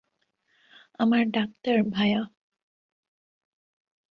আমরা ডাক্তার, ভায়া।